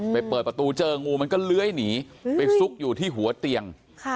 เปิดประตูเจองูมันก็เลื้อยหนีไปซุกอยู่ที่หัวเตียง